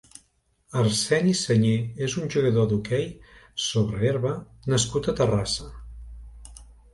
Arseni Sañé és un jugador d'hoquei sobre herba nascut a Terrassa.